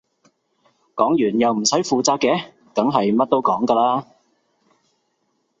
講完又唔使負責嘅梗係乜都講㗎啦